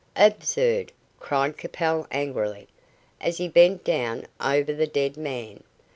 "Absurd!" cried Capel angrily, as he bent down over the dead man.